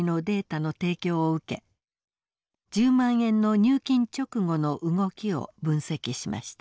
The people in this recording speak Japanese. １０万円の入金直後の動きを分析しました。